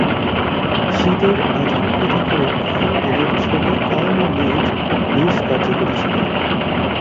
শীতের আধিক্য থেকে রক্ষায় এদের ছোট কান ও লেজ বেশ কার্যকরী ছিল।